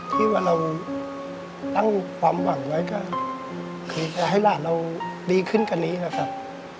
ที่ว่าเราตั้งความหวังไว้ก็คือจะให้หลานเราดีขึ้นกว่านี้นะครับ